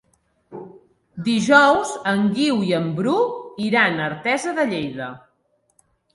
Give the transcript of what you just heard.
Dijous en Guiu i en Bru iran a Artesa de Lleida.